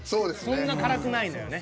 そんな辛くないのよね。